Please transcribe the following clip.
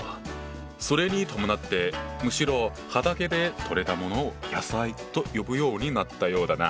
それに伴ってむしろ畑で取れたものを「野菜」と呼ぶようになったようだな。